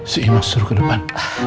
si imas suruh ke depan